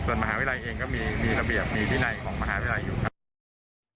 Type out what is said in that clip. ส่วนมหาวิทยาลัยเองก็มีระเบียบมีวินัยของมหาวิทยาลัยอยู่ครับ